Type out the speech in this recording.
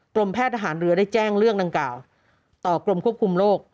แพทย์ทหารเรือได้แจ้งเรื่องดังกล่าวต่อกรมควบคุมโรค